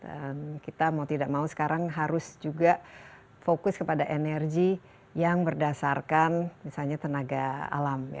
dan kita mau tidak mau sekarang harus juga fokus kepada energi yang berdasarkan misalnya tenaga alam